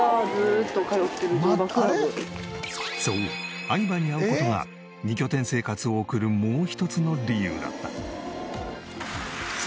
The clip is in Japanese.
そう愛馬に会う事が２拠点生活を送るもう一つの理由だった。